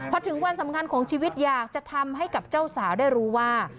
พอถึงวันสำคัญของชีวิตอยากจะทำให้กับเจ้าสาวได้รู้ว่า